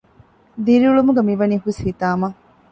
ދިރިއުޅުމުގަ މިވަނީ ހުސްހިތާމަ